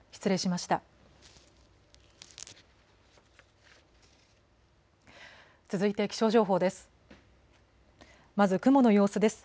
まず雲の様子です。